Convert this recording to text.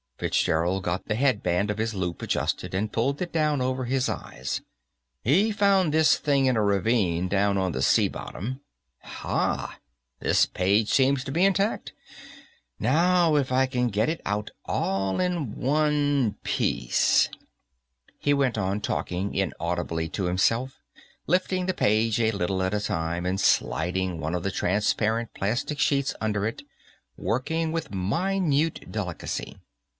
Fitzgerald got the headband of his loup adjusted, and pulled it down over his eyes. "He found this thing in a ravine down on the sea bottom Ha, this page seems to be intact; now, if I can get it out all in one piece " He went on talking inaudibly to himself, lifting the page a little at a time and sliding one of the transparent plastic sheets under it, working with minute delicacy.